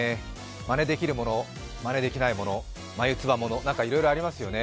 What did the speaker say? まねできるもの、まねできないもの眉唾もの、いろいろありますよね。